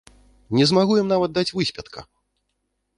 Не змагу ім нават даць выспятка!